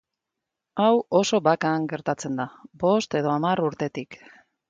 Hau oso bakan gertatzen da, bost edo hamar urtetik.